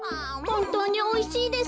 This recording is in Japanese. ほんとうにおいしいです。